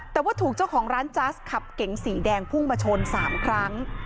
แต่ว่าถูกเจ้าของร้านจัสขับเก๋งสีแดงพุ่งมาชน๓ครั้ง